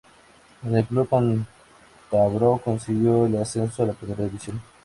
Con el club cántabro consiguió el ascenso a Primera División.